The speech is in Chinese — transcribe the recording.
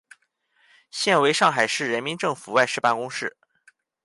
现为上海市人民政府外事办公室。